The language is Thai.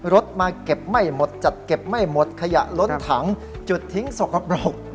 รถมาเก็บไม่หมดจัดเก็บไม่หมดขยะรถถังจุดทิ้งสกปรก